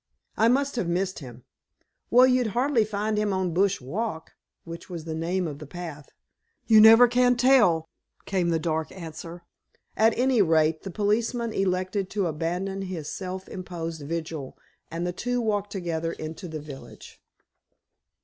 "I must have missed him." "Well, you'll hardly find him on Bush Walk," which was the name of the path. "You never can tell," came the dark answer. At any rate, the policeman elected to abandon his self imposed vigil, and the two walked together into the village.